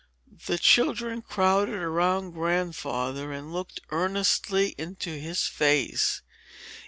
The children crowded around Grandfather, and looked earnestly into his face.